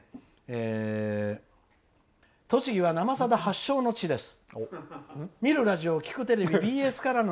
「栃木は「生さだ」発祥の地です